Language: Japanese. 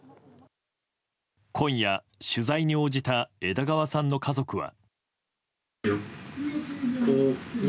今夜、取材に応じた枝川さんの家族は。